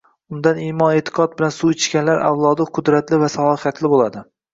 Undan imon-e'tiqod bilan suv ichganlar avlodi qudratli va salohiyatli bo'ladi